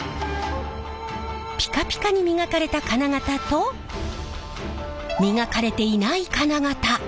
ピカピカに磨かれた金型と磨かれていない金型。